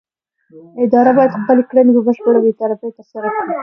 اداره باید خپلې کړنې په بشپړه بې طرفۍ ترسره کړي.